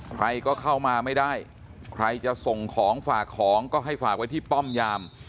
ใครก็เข้ามาไม่ได้ใครจะส่งของฝากของก็ให้ฝากไว้ที่ป้อมยาม